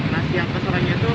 nah siang keseluruhannya itu